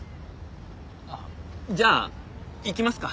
じゃあ行きますか。